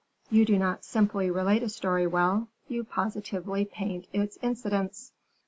You do not simply relate a story well: you positively paint its incidents."